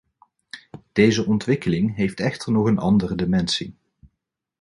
Deze ontwikkeling heeft echter nog een andere dimensie.